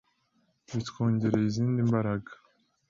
bitwongereye izindi mbaraga